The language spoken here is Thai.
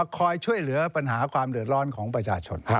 คอยช่วยเหลือปัญหาความเดือดร้อนของประชาชน